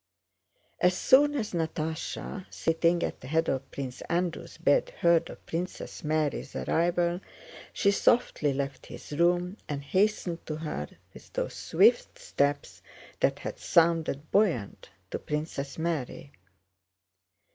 As soon as Natásha, sitting at the head of Prince Andrew's bed, heard of Princess Mary's arrival, she softly left his room and hastened to her with those swift steps that had sounded buoyant to Princess Mary.